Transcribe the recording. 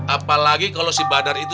apalagi kalau si badar itu